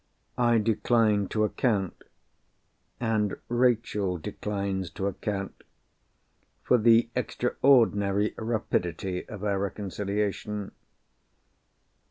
I decline to account, and Rachel declines to account, for the extraordinary rapidity of our reconciliation.